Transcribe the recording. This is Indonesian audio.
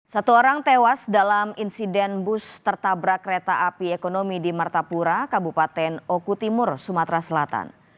satu orang tewas dalam insiden bus tertabrak kereta api ekonomi di martapura kabupaten oku timur sumatera selatan